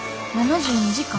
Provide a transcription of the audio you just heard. ７２時間？